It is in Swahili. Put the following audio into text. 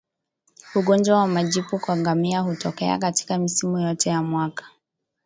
Ugonjwa wa majipu kwa ngamia hutokea katika misimu yote ya mwaka